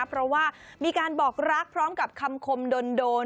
เพราะว่ามีการบอกรักพร้อมกับคำคมโดน